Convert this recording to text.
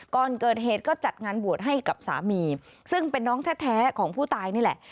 ก่อนเกิดเหตุก็จัดงานบวชให้กับสามีซึ่งเป็นน้องแท้ของผู้ตายนี่แหละ